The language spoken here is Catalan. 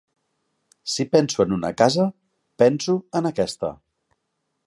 Si penso en una casa, penso en aquesta.